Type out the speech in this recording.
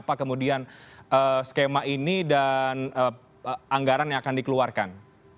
apa kemudian skema ini dan anggaran yang akan dikeluarkan